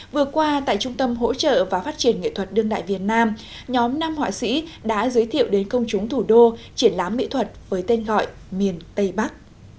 vừa qua tại trung tâm hỗ trợ và phát triển nghệ thuật đương đại việt nam nhóm năm họa sĩ đã giới thiệu đến công chúng thủ đô triển lãm mỹ thuật với tên gọi miền tây bắc